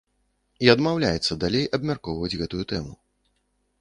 І адмаўляецца далей абмяркоўваць гэтую тэму.